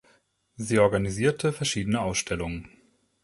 Sie organisierte verschiedene Ausstellungen.